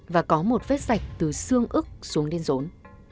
và có một vết sạch từ xương ức xuống đến rốn